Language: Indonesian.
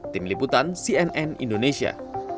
tim liputan cnn indonesia